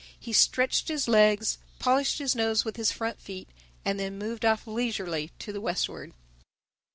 He stretched his legs, polished his nose with his front feet and then moved off leisurely to the westward.